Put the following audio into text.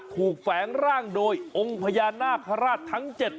แฝงร่างโดยองค์พญานาคาราชทั้ง๗